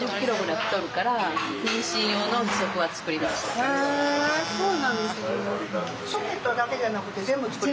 へえそうなんですね。